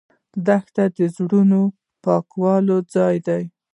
دښته د زړونو د پاکوالي ځای ده.